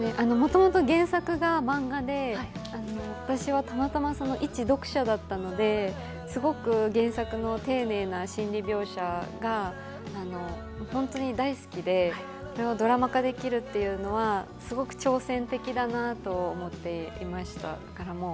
もともと原作が漫画で私は、たまたま一読者だったのですごく原作の丁寧な心理描写が本当に大好きでそれをドラマ化できるというのはすごく挑戦的だなと思っていました。